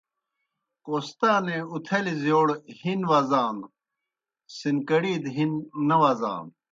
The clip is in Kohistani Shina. کوہستانے اُتھلیْ زِیؤڑ ہِن وزانو، سِنکڑی دہ ہن نہ وزانوْ۔